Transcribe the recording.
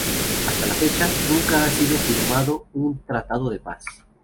Hasta la fecha, nunca ha sido firmado un tratado de paz.